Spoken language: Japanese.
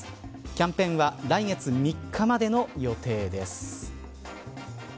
キャンペーンは来月３日までの予定です。